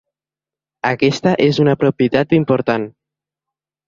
Aquesta és una propietat important.